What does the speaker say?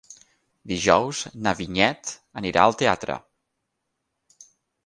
Dijous na Vinyet anirà al teatre.